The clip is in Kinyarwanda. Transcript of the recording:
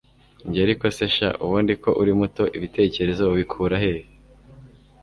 njye ariko se sha, ubundi ko uri muto ibitekerezo ubikurahehe!